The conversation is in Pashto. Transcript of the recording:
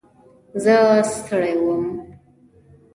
زه ستړی وم.